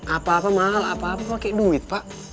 apa apa mahal apa apa pakai duit pak